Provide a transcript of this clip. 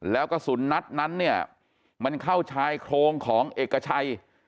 แล้วกระสุนนัดนั้นเนี่ยมันเข้าชายโครงของเอกชัย